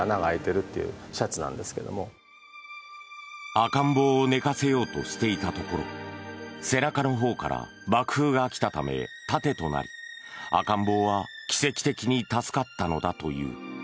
赤ん坊を寝かせようとしていたところ背中のほうから爆風が来たため盾となり赤ん坊は奇跡的に助かったのだという。